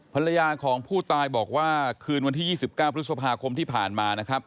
ภรรยาของผู้ตายบอกว่าคืนวันที่๒๙พฤษภาคมที่ผ่านมานะครับ